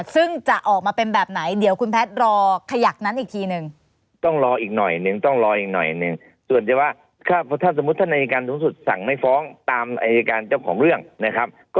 อ๋อซึ่งก็มันจะมาที่อ๋อ